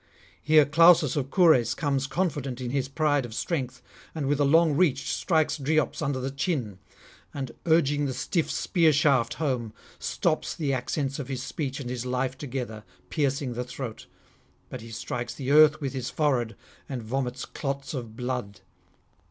Here Clausus of Cures comes confident in his pride of strength, and with a long reach strikes Dryops under the chin, and, urging the stiff spear shaft home, stops the accents of his speech and his life together, piercing the throat; but he strikes the earth with his forehead, and vomits clots of blood.